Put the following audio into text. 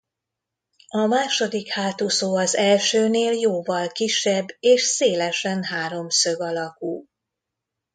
A második hátúszó az elsőnél jóval kisebb és szélesen háromszög alakú.